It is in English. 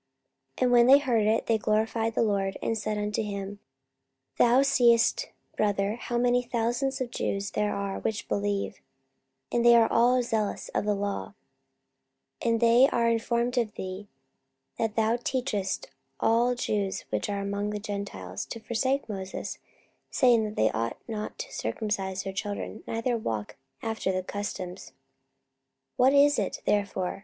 44:021:020 And when they heard it, they glorified the Lord, and said unto him, Thou seest, brother, how many thousands of Jews there are which believe; and they are all zealous of the law: 44:021:021 And they are informed of thee, that thou teachest all the Jews which are among the Gentiles to forsake Moses, saying that they ought not to circumcise their children, neither to walk after the customs. 44:021:022 What is it therefore?